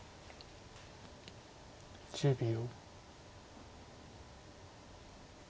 １０秒。